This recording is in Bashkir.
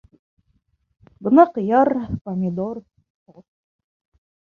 Бына ҡыяр, помидор, торт.